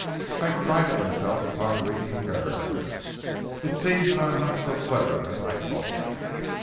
I prided myself upon reading character. It seems that I am not so clever as I thought."